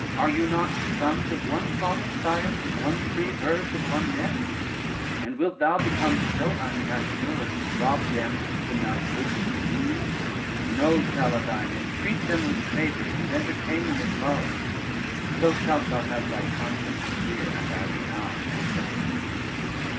are you not sons of one father, scions of one tree, birds of one nest, and wilt thou become so unnatural as to rob them, whom thou shouldst relieve? No, Saladyne, entreat them with favors, and entertain them with love, so shalt thou have thy conscience clear and thy renown excellent.